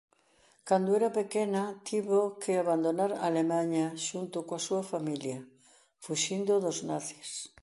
Cando era pequena tivo que abandonar Alemaña xunto coa súa familia fuxindo dos nazis.